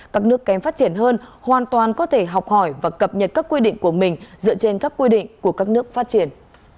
các nước kém phát triển hơn hoàn toàn có thể học hỏi và cập nhật các quy định của mình dựa trên các quy định của các nước phát triển